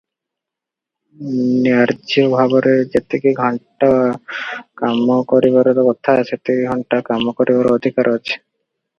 ନ୍ୟାର୍ଯ୍ୟ ଭାବରେ ଯେତିକି ଘଣ୍ଟା କାମ କରିବାର କଥା ଯେତିକି ଘଣ୍ଟା କାମ କରିବାର ଅଧିକାର ଅଛି ।